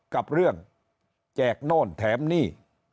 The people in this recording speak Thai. กับเรื่องแจกโน่นแถมหนี้